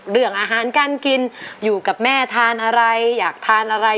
เรื่องอาหารการกินอยู่กับแม่ทานอะไรอยากทานอะไร